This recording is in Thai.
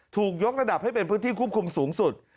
ถูกยกระดับให้เป็นพื้นที่ควบคุมสูงสุด